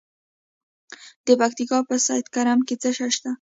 د پکتیا په سید کرم کې څه شی شته؟